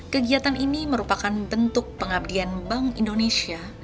kegiatan ini merupakan bentuk pengabdian bank indonesia